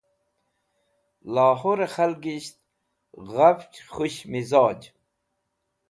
Lahore Khalgisht Ghafch Khush Mizoj